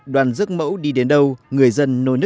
đoàn rước mẫu đi đến đâu